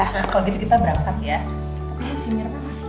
kalau gitu kita berangkat ya